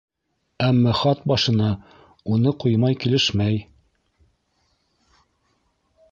Әммә хат башына уны ҡуймай килешмәй.